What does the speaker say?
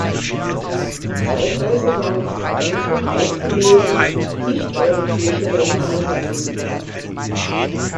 Zeitweise waren auch einzelne, ausgewählte nicht europäische Länder eingebunden.